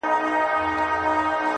هر ستمګر ته د اغزیو وطن-